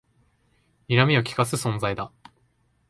にらみをきかす存在だ